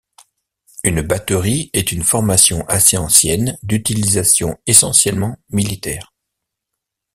Une batterie est une formation assez ancienne d'utilisation essentiellement militaire.